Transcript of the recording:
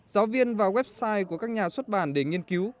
giáo viên vào website của các nhà xuất bản để nghiên cứu